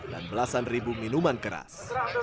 dan belasan ribu minuman keras